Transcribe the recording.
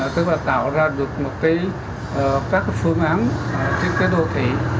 tức là tạo ra được một các phương án thiết kế đô thị